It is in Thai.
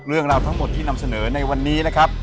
เรื่องราวทั้งหมดที่นำเสนอในวันนี้นะครับ